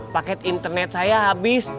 paket internet saya habis